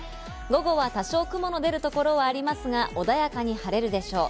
午後は多少雲の出るところはありますが、穏やかに晴れるでしょう。